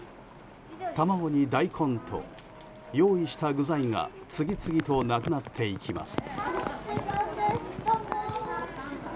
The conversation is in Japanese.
卵に大根と、用意した具材が次々となくなっていきます。